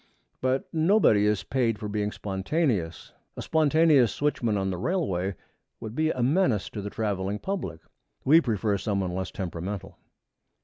But nobody is paid for being spontaneous. A spontaneous switchman on the railway would be a menace to the traveling public. We prefer some one less temperamental.